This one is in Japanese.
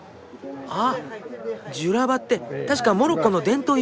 あジュラバって確かモロッコの伝統衣装。